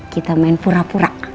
kita main pura pura